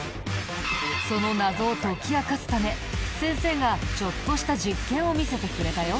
その謎を解き明かすため先生がちょっとした実験を見せてくれたよ。